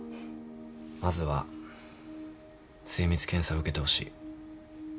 まずは精密検査受けてほしい。